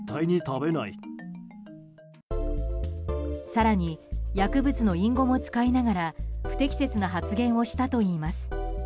更に薬物の隠語も使いながら不適切な発言をしたといいます。